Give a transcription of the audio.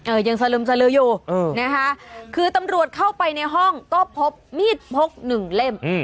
ยังสลึมสลืออยู่เออนะคะคือตำรวจเข้าไปในห้องก็พบมีดพกหนึ่งเล่ม